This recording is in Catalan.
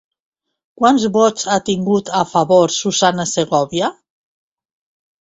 Quants vots ha tingut a favor Susanna Segòvia?